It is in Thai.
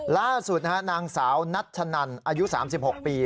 ล่าสุดนะครับนางสาวนัทชะนันอายุ๓๖ปี